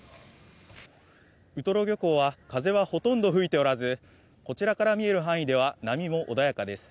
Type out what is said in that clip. ウトロ漁港は風はほとんど吹いておらずこちらから見える範囲では波も穏やかです。